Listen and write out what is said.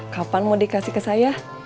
kapan mau dikasih ke saya